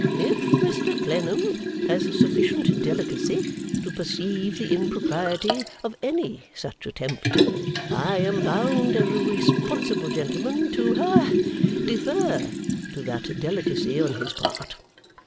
If Mr Clennam has sufficient delicacy to perceive the impropriety of any such attempt, I am bound as a responsible gentleman to ha defer to that delicacy on his part.